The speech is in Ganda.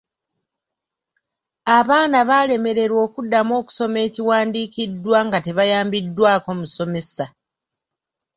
Abaana baalemererwa okuddamu okusoma ekiwandiikiddwa nga tebayambiddwako musomesa.